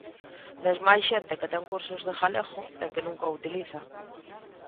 Mesmo hai xente que ten cursos de galego e que nunca o utiliza.